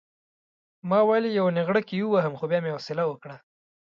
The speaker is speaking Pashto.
ما ویل یو نېغړک یې ووهم خو بیا مې حوصله وکړه.